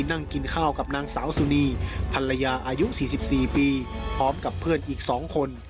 นั่งกินข้าวกับนางสาวสุนีภรรยาอายุ๔๔ปีพร้อมกับเพื่อนอีก๒คน